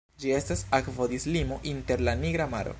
Ĝi estas akvodislimo inter la Nigra Maro.